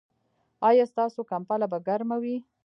ایا ستاسو کمپله به ګرمه وي؟